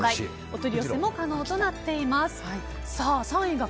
お取り寄せも可能となっています。